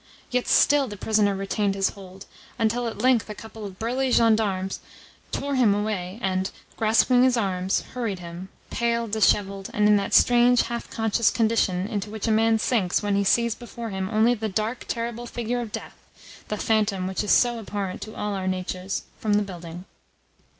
Yet still the prisoner retained his hold; until at length a couple of burly gendarmes tore him away and, grasping his arms, hurried him pale, dishevelled, and in that strange, half conscious condition into which a man sinks when he sees before him only the dark, terrible figure of death, the phantom which is so abhorrent to all our natures from the building.